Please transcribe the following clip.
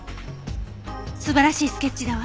素晴らしいスケッチだわ。